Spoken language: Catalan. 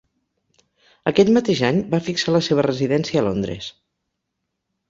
Aquell mateix any va fixar la seva residència a Londres.